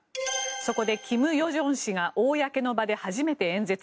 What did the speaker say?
そこで金与正氏が公の場で初めて演説。